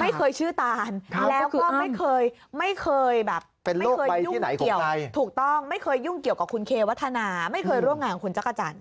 ไม่เคยชื่อตานแล้วก็ไม่เคยยุ่งเกี่ยวกับคุณเควัฒนาไม่เคยร่วมงานของคุณจักรจันทร์